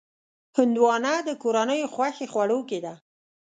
هندوانه د کورنیو خوښې خوړو کې ده.